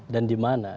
dan di mana